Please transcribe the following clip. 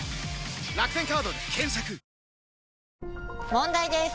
問題です！